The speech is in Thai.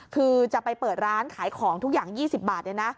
คือจะไปเปิดร้านขายของทุกอย่าง๒๐บาทเลยนะ